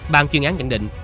ban chuyên án nhận định